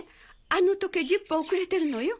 あの時計１０分遅れてるのよ。